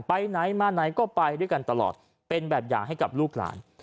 ไปไหนมาไหนก็ไปด้วยกันตลอดเป็นแบบอย่างให้กับลูกหลาน